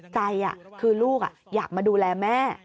ใจคือลูกอยากมาดูแลแม่